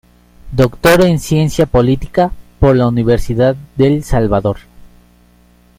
Dr. en Ciencia política por la Universidad del Salvador.